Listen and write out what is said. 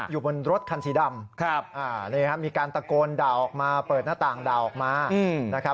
อยู่บนรถคันสีดำมีการตะโกนด่าออกมาเปิดหน้าต่างดาวออกมานะครับ